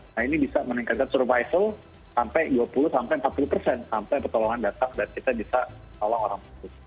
nah ini bisa meningkatkan survival sampai dua puluh sampai empat puluh persen sampai pertolongan datang dan kita bisa tolong orang